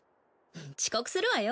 遅刻するわよ？